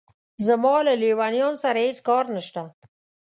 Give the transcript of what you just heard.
زما له لېونیانو سره هېڅ کار نشته.